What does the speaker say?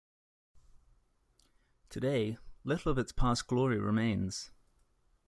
Today, little of its past glory remains.